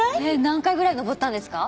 何回ぐらい登ったんですか？